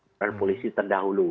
laporan polisi terdahulu